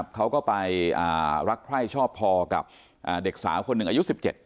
เขาก็ไปรักใคร่ชอบพอกับเด็กสาวคนหนึ่งอายุ๑๗